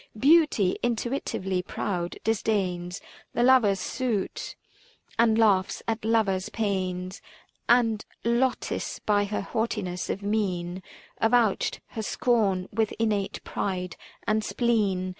Beauty, intuitively proud, disdains The lover's suit and laughs at lover's pains ; And, Lotis by her haughtiness of mien Avouched her scorn with innate pride and spleen.